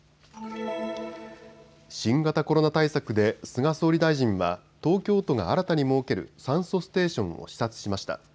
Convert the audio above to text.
新型コロナ対策で菅総理大臣は東京都が新たに設ける酸素ステーションを視察しました。